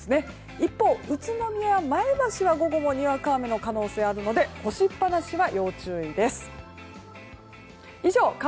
一方、宇都宮、前橋は午後もにわか雨の可能性があるので干しっぱなしは要注意です。